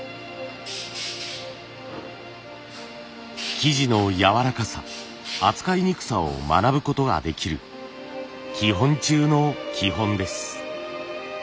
素地のやわらかさ扱いにくさを学ぶことができる基本中の基本です。